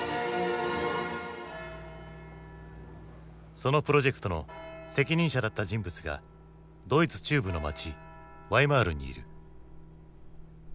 そのプロジェクトの責任者だった人物がドイツ中部の街ワイマールにいる。